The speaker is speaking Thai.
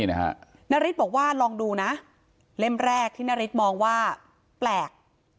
นาริสบอกว่าลองดูนะเล่มแรกที่นาริสมองว่าแปลก